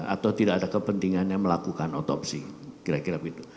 atau tidak ada kepentingannya melakukan otopsi kira kira begitu